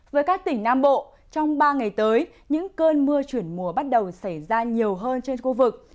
với các tỉnh nam bộ trong ba ngày tới những cơn mưa chuyển mùa bắt đầu xảy ra nhiều hơn trên khu vực